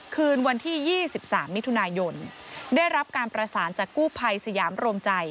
คืนวันที่๒๓มิถุนายนได้รับการประสานจากกู้ภัยสยามโรมใจ